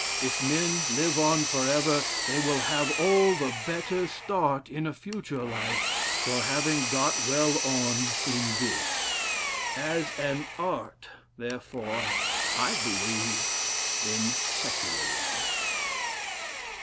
If men live on for ever, they will have all the better start in a future life, for having got well on in this. As an art, therefore, I believe in Secularism."